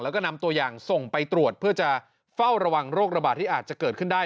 แล้วก็นำตัวอย่างส่งไปตรวจเพื่อจะเฝ้าระวังโรคระบาดที่อาจจะเกิดขึ้นได้